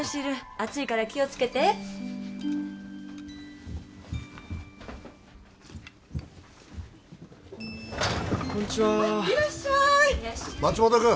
熱いから気をつけてこんちはあっいらっしゃい松本君！